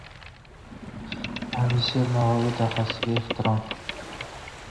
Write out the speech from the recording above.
Alisher Navoiy dahosiga ehtirom